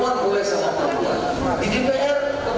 jadi lagi pacaran sama sebagainya itu jawabannya